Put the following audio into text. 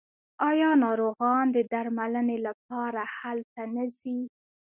آیا ناروغان د درملنې لپاره هلته نه ځي؟